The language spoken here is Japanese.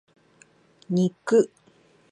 肉